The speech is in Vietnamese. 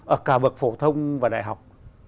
ở cả bậc phổ thông và đại học